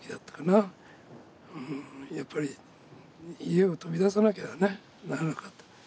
やっぱり家を飛び出さなきゃならなかった。